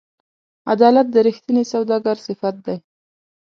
عدالت د رښتیني سوداګر صفت دی.